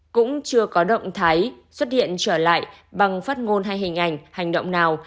cũng chưa có động thái xuất hiện trở lại bằng phát ngôn hay hình ảnh hành động nào